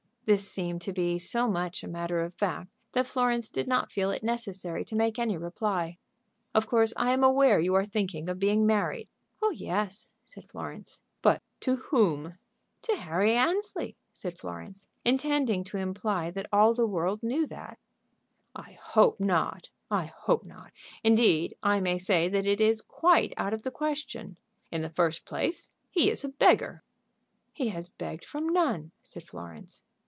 This seemed to be so much a matter of fact that Florence did not feel it necessary to make any reply. "Of course I am aware you are thinking of being married." "Oh yes," said Florence. "But to whom?" "To Harry Annesley," said Florence, intending to imply that all the world knew that. "I hope not; I hope not. Indeed, I may say that it is quite out of the question. In the first place, he is a beggar." "He has begged from none," said Florence.